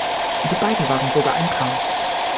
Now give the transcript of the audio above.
Die beiden waren sogar ein Paar.